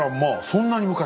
そんなに昔？